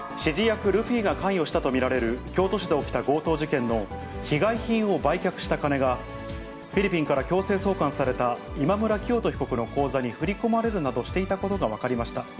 指示役ルフィが関与したと見られる京都市で起きた強盗事件の被害品を売却した金がフィリピンから強制送還された今村磨人被告の口座に振り込まれるなどしていたことが分かりました。